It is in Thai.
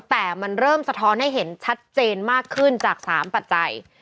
แต่มันเริ่มสะท้อนให้เห็นชัดเจนมากขึ้นจาก๓ปัจจัย